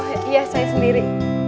oh iya saya sendiri